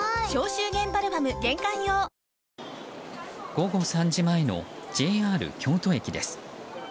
午後３時前のＪＲ京都駅です。